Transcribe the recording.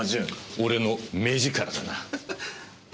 俺の目力だな。